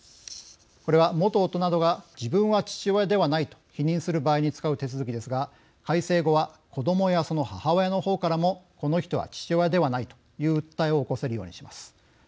これは、元夫などが自分は父親ではないと否認する場合に使う手続きですが改正後は、子どもやその母親の方からもこの人は父親ではないという訴えを起こせるようにします。